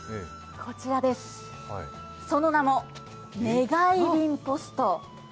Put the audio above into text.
こちらです、その名も願便ポスト。